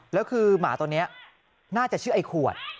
แล้วคือหมาตัวนี้น่าจะชื่อไอ้ขวด